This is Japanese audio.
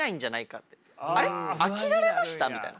飽きられました？みたいな。